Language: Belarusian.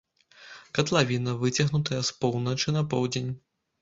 Катлавіна выцягнутая з поўначы на поўдзень.